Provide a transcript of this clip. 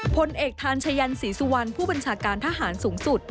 พลเอกทานชายันศรีสุวรรณผู้บัญชาการทหารสูงสุด